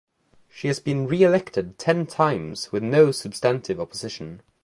She has been reelected ten times with no substantive opposition.